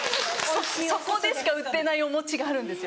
そこでしか売ってないお餅があるんですよ。